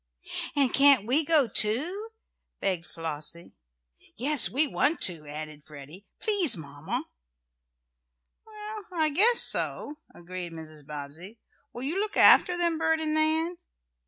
"And can't we go, too?" begged Flossie "Yes, we want to," added Freddie. "Please, Mamma!" "Well, I guess so," agreed Mrs. Bobbsey, "Will you look after them, Bert and Nan?"